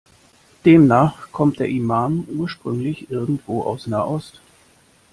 Demnach kommt der Imam ursprünglich irgendwo aus Nahost.